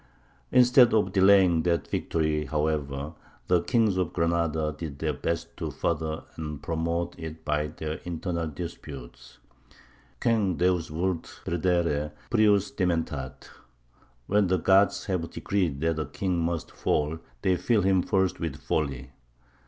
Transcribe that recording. Instead of delaying that victory, however, the kings of Granada did their best to further and promote it by their internal disputes. Quem Deus vult perdere, prius dementat: when the gods have decreed that a king must fall, they fill him first with folly.